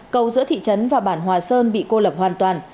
cầu giữa thị trấn và bản hòa sơn bị cô lập hoàn toàn